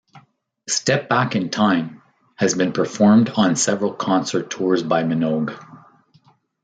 "Step Back in Time" has been performed on several concert tours by Minogue.